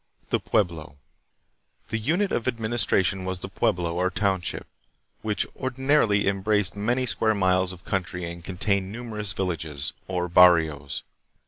The Pueblo. The unit of administration was the pueblo, or township, which ordinarily embraced many square miles of country and contained numerous villages, or "barrios."